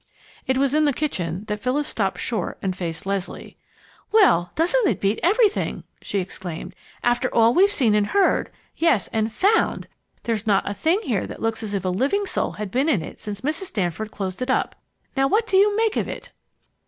It was in the kitchen that Phyllis stopped short and faced Leslie. "Well, doesn't it beat everything!" she exclaimed. "After all we've seen and heard, yes, and found, there's not a thing here that looks as if a living soul had been in it since Mrs. Danforth closed it up. Now what do you make of it?"